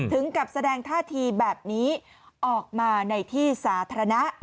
ถึงกับแสดงท่าทีแบบนี้ออกมาในที่สาธารณะ